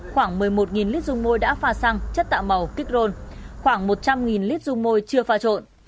khoảng một mươi một lít dung môi đã pha xăng chất tạo màu kích rôn khoảng một trăm linh lít dung môi chưa pha trộn